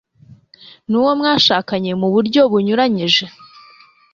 n'uwo mwashakanye mu buryo bunyuranyije